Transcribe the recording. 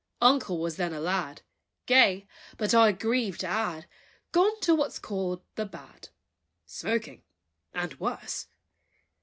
_" Uncle was then a lad, Gay, but, I grieve to add, Gone to what's called "the bad," Smoking, and worse!